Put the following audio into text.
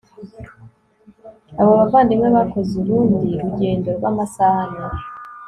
abo bavandimwe bakoze urundi rugendo rw amasaha ane